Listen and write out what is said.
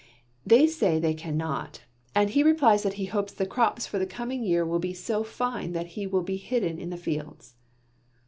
They say they cannot, and he replies that he hopes the crops for the coming year will be so fine that he will be hidden in the fields.